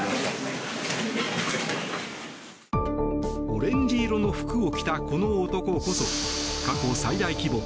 オレンジ色の服を着たこの男こそ過去最大規模